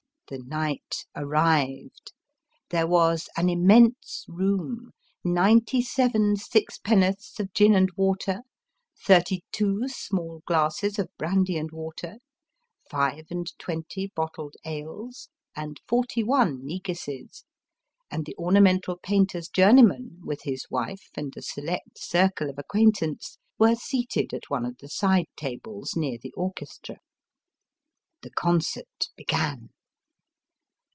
The night arrived ; there was an immense room ninety seven sixpenn'orths of gin and water, thirty two small glasses of brandy and water, five and twenty bottled ales, and forty one neguses ; and the ornamental painter's journeyman, with his wife and a select circle of acquaintance, were seated at one of the side tables near the orchestra. The concert began.